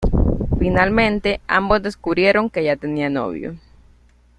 Finalmente, ambos descubrieron que ya tenía novio.